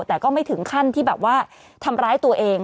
แต่ก็ไม่ถึงขั้นที่แบบว่าทำร้ายตัวเอง